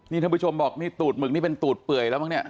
นี่ท่านผู้ชมบอกนี่ตูดหมึกนี่เป็นตูดเปื่อยแล้วมั้งเนี่ย